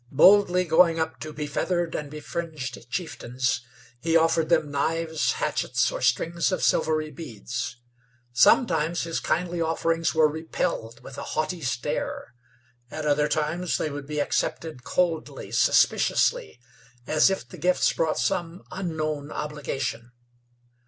Boldly going up to befeathered and befringed chieftains, he offered them knives, hatchets, or strings of silvery beads. Sometimes his kindly offerings were repelled with a haughty stare; at other times they would be accepted coldly, suspiciously, as if the gifts brought some unknown obligation.